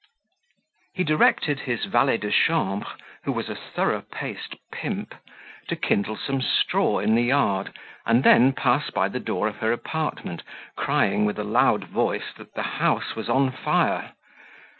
He directed his valet de chambre, who was a thorough paced pimp, to kindle some straw in the yard, and then pass by the door of her apartment, crying with a loud voice that the house was on fire.